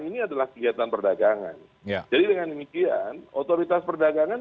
ini adalah kegiatan perdagangan jadi dengan demikian otoritas perdagangan